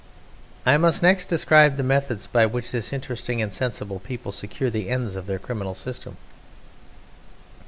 I must next describe the methods by which this interesting and sensible people secure the ends of their criminal system.